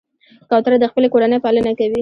کوتره د خپلې کورنۍ پالنه کوي.